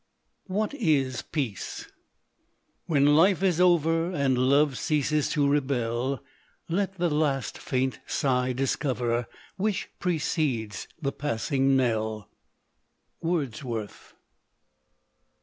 What is peace? When life is over, And love ceases to rebel, Let the last faint sigh discover, Which precedes the passing knell. Wordsworth.